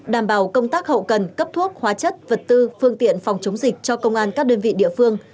đảm bảo công tác hậu cần cấp thuốc hóa chất vật tư phương tiện phòng chống dịch cho công an các đơn vị địa phương